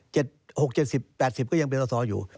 ๖๗๐๘๐ก็ยังเป็นสอสออยู่